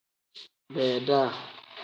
Beeda.